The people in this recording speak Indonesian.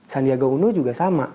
sandiaga uno juga sama